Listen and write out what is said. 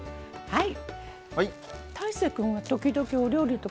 はい。